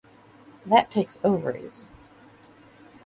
That Takes Ovaries!